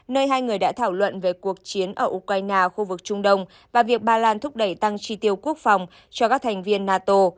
nơi hai người đã thảo luận về cuộc chiến ở ukraine khu vực trung đông và việc ba lan thúc đẩy tăng tri tiêu quốc phòng cho các thành viên nato